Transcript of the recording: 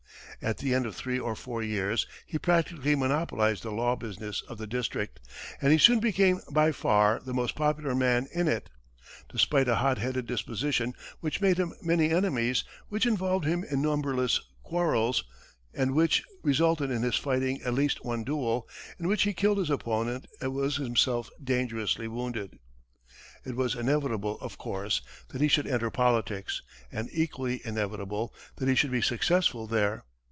At the end of three or four years, he practically monopolized the law business of the district; and he soon became by far the most popular man in it, despite a hot headed disposition which made him many enemies, which involved him in numberless quarrels, and which resulted in his fighting at least one duel, in which he killed his opponent and was himself dangerously wounded. It was inevitable, of course, that he should enter politics, and equally inevitable that he should be successful there.